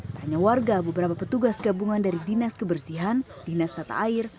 tak hanya warga beberapa petugas gabungan dari dinas kebersihan dinas tata air